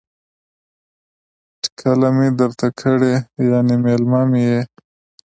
ټکله می درته کړې ،یعنی میلمه می يی